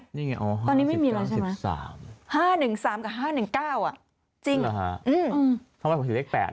ตอนนี้ไม่มีเลยใช่ไหม๕๑๓กับ๕๑๙จริง